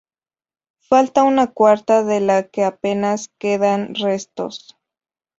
Falta una cuarta de la que apenas quedan restos.